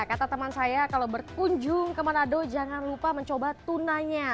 kata teman saya kalau berkunjung ke manado jangan lupa mencoba tunanya